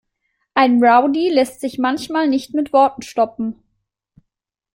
Ein Rowdy lässt sich manchmal nicht mit Worten stoppen.